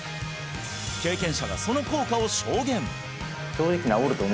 経験者がその効果を証言！